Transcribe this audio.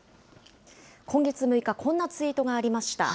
今月６日、こんなツイートがありました。